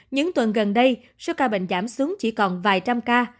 những tuần gần đây số ca bệnh giảm xuống chỉ còn vài trăm ca